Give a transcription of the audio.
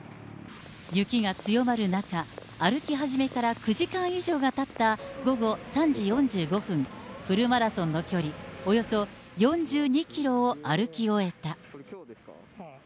雪が強まる中、歩き始めから９時間以上がたった午後３時４５分、フルマラソンの距離、およそ４２キロを歩き終えた。